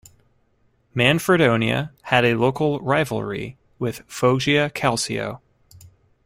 Manfredonia had a local rivalry with Foggia Calcio.